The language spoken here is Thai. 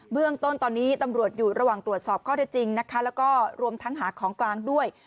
เรื่องต้นตอนนี้ตำรวจอยู่ระหว่างตรวจสอบข้อได้จริงนะคะแล้วก็รวมทั้งหาของกลางด้วย